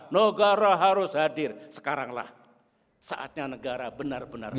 negara harus hadir sekaranglah saatnya negara benar benar